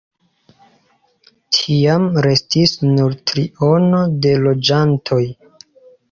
Tiam restis nur triono de loĝantoj.